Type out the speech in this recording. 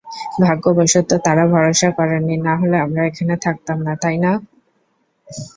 ভাগ্যবশত তারা ভরসা করেনি, নাহলে আমরা এখানে থাকতাম না, তাই না?